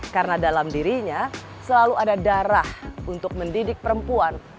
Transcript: karena dalam dirinya selalu ada darah untuk mendidik perempuan